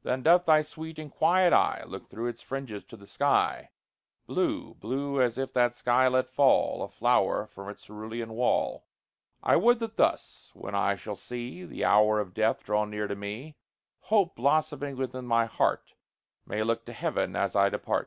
Then doth thy sweet and quiet eye Look through its fringes to the sky, Blue blue as if that sky let fall A flower from its cerulean wall. I would that thus, when I shall see The hour of death draw near to me, Hope, blossoming within my heart, May look to heaven as I depart. D.